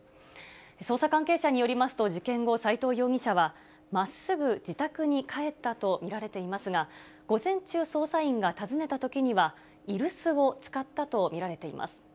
捜査関係者によりますと、事件後、斎藤容疑者はまっすぐ自宅に帰ったと見られていますが、午前中、捜査員が訪ねたときには、居留守を使ったと見られています。